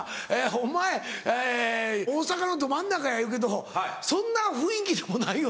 お前大阪のど真ん中やいうけどそんな雰囲気でもないよな。